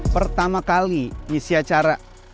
pertama kali ngisi acara